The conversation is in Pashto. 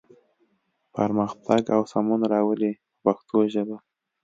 پرمختګ او سمون راولي په پښتو ژبه.